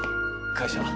会社。